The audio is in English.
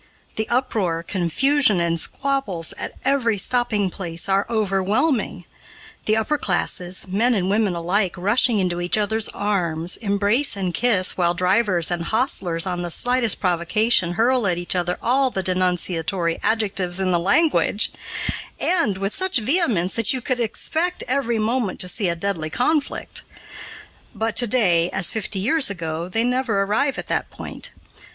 The uproar, confusion, and squabbles at every stopping place are overwhelming; the upper classes, men and women alike, rushing into each other's arms, embrace and kiss, while drivers and hostlers on the slightest provocation hurl at each other all the denunciatory adjectives in the language, and with such vehemence that you expect every moment to see a deadly conflict. But to day, as fifty years ago, they never arrive at that point.